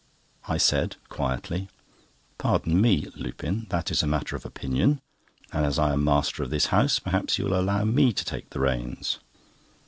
I said, quietly: "Pardon me, Lupin, that is a matter of opinion; and as I am master of this house, perhaps you will allow me to take the reins."